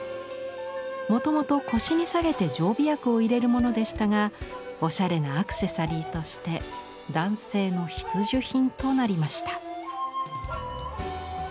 もともと腰に下げて常備薬を入れるものでしたがおしゃれなアクセサリーとして男性の必需品となりました。